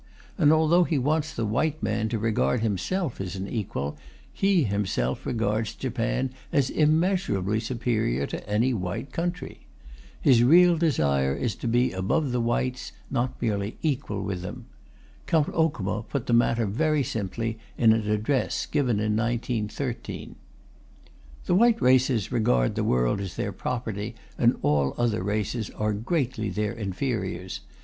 And although he wants the white man to regard himself as an equal, he himself regards Japan as immeasurably superior to any white country. His real desire is to be above the whites, not merely equal with them. Count Okuma put the matter very simply in an address given in 1913: The white races regard the world as their property and all other races are greatly their inferiors.